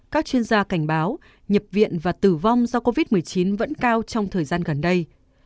các chuyên gia cảnh báo nhập viện và tử vong do covid một mươi chín vẫn cao trong thời gian gần đây